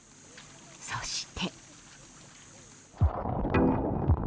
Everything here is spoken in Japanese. そして。